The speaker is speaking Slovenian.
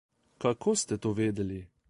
Kako ste to vedeli?